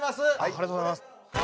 ありがとうございます。